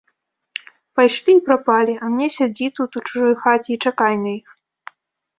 Пайшлі і прапалі, а мне сядзі тут у чужой хаце і чакай на іх.